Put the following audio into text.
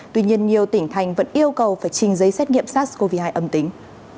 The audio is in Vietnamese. tuy nhiên nhiều tỉnh thành vẫn yêu cầu phải trình giấy xét nghiệm sars cov hai âm tính